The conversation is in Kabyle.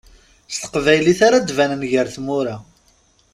S teqbaylit ara d-banen gar tmura.